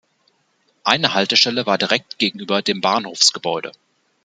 Eine Haltestelle war direkt gegenüber dem Bahnhofsgebäude.